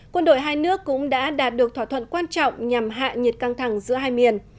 quân đội hai nước cũng đã đạt được thỏa thuận quan trọng nhằm hạ nhiệt căng thẳng giữa hai miền